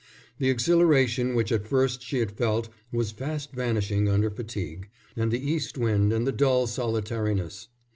The exhilaration which at first she had felt was fast vanishing under fatigue, and the east wind, and the dull solitariness.